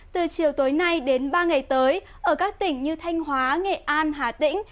từ chiều tối nay đến ba ngày tới ở các tỉnh như thanh hóa nghệ an hà tĩnh